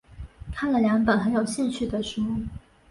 看了两本很有兴趣的书